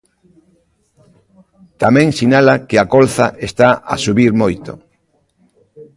Tamén sinala que a colza "está a subir moito".